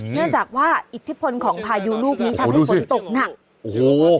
เนื่องจากว่าอิทธิพลของพายุลูกนี้ทำให้ฝนตกหนักโอ้โห